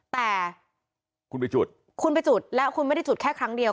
แต่คุณไปจุดแล้วคุณไม่ได้จุดแค่ครั้งเดียว